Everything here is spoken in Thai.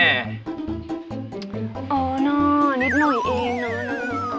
เอานะนิดหน่อยเองนะนะ